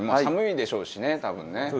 寒いでしょうしね、多分ね。